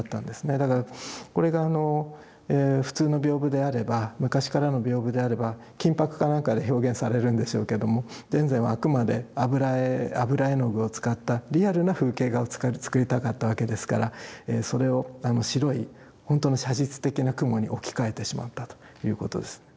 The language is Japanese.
だからこれがあの普通の屏風であれば昔からの屏風であれば金箔か何かで表現されるんでしょうけども田善はあくまで油絵の具を使ったリアルな風景画を作りたかったわけですからそれを白い本当の写実的な雲に置き換えてしまったということです。